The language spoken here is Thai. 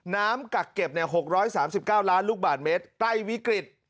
กักเก็บ๖๓๙ล้านลูกบาทเมตรใกล้วิกฤต